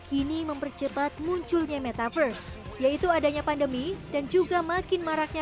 kini mempercepat munculnya metaverse yaitu adanya pandemi dan juga makin maraknya